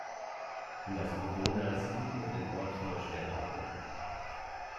Die meisten Bewohner siedelten in den Ort "Neu-Spenrath" um.